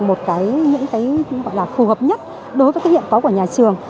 một cái những cái gọi là phù hợp nhất đối với cái hiện có của nhà trường